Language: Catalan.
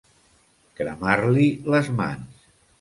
Cremar-li les mans.